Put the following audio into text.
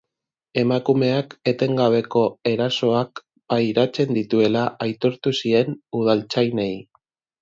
Emakumeak etengabeko erasoak pairatzen dituela aitortu zien udaltzainei.